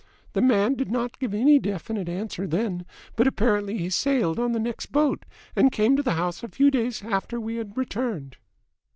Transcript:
The man did not give any definite answer then, but apparently he sailed on the next boat, and came to the house a few days after we had returned."